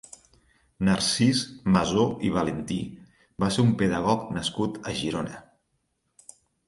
Narcís Masó i Valentí va ser un pedagog nascut a Girona.